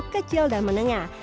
kecil dan menengah